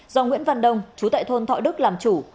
do nguyễn văn đông chú tại thôn thọ đức làm chủ